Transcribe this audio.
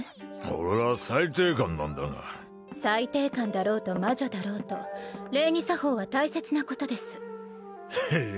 俺は裁定官なんだが裁定官だろうと魔女だろうと礼儀作法は大切なことですへえ？